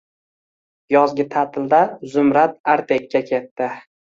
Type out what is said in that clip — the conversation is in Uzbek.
Yozgi ta’tilda Zumrad Artekka ketdi.